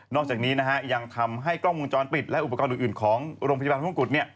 จากนี้ยังทำให้กล้องวงจรปิดและอุปกรณ์อื่นของโรงพยาบาลมงกุฎ